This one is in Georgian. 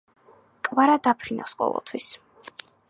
კვარა დაფრინვს ყოველთვის